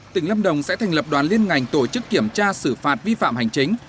tỉnh lâm đồng sẽ thành lập đoàn liên ngành tổ chức kiểm tra xử phạt vi phạm hành chính